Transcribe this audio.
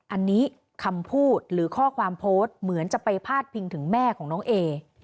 อันนี้คำพูดหรือข้อความโพสต์เหมือนจะไปพาดพิงถึงแม่ของน้องเอ